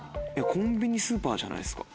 コンビニ・スーパーじゃないですか？